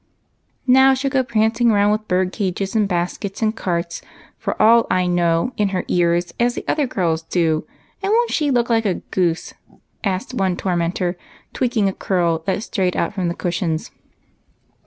EAR RINGS. 177 " Now she '11 go prancing round with bird cages and baskets and carts and pigs, for all I know, in her ears, as the other girls do, and won't she look like a goose ?" asked one tormentor, tweaking a curl that strayed out from the cushions.